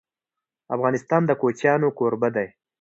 افغانستان د کوچیانو کوربه دی..